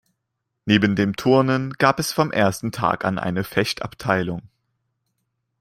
Neben dem Turnen gab es vom ersten Tag an eine Fechtabteilung.